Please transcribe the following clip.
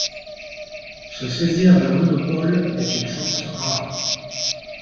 Se saisir d’un monopole est une chance rare.